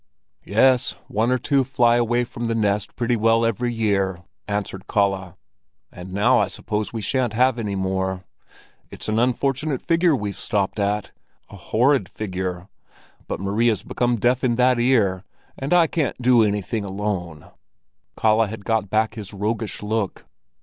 "Yes; one or two fly away from the nest pretty well every year," answered Kalle, "and now I suppose we shan't have any more. It's an unfortunate figure we've stopped at—a horrid figure; but Maria's become deaf in that ear, and I can't do anything alone." Kalle had got back his roguish look.